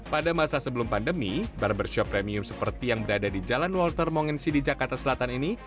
pada masa sebelum pandemi barbershop premium seperti yang berada di jalan walter mongensi di jakarta selatan ini